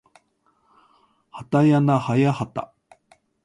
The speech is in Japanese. はたやなはやはた